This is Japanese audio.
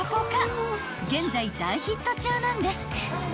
［現在大ヒット中なんです］